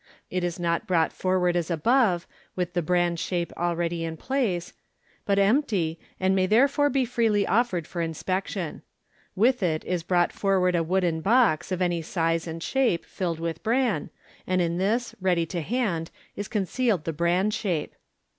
It is not brought forward as above, with the bran shape already in place, but empty, and may therefore be freely offered for inspec tion. With it is brought forward a wooden box, of any size and shape, filled with bran, and in this, ready to hand, is concealed the bran shape.